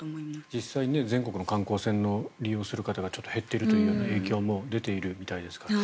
実際、全国の観光船を利用する方が減っているという影響も出ているみたいですから。